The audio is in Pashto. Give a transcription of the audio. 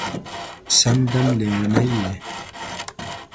سم دم لېونی یې